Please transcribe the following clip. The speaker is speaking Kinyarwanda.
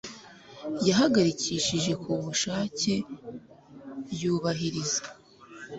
yahagarikishije ku bushake yubahiriza